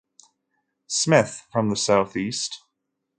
Smith from the southeast.